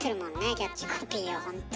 キャッチコピーをほんとに。